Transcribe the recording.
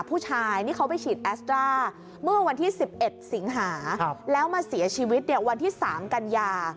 ผู้ชายนี่เขาไปฉีดแอสตราเมื่อวันที่๑๑สิงหาแล้วมาเสียชีวิตวันที่๓กันยา